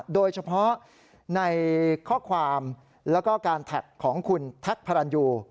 โดยเฉพาะในข้อความและการแท็กของคุณทัคพรรณอยู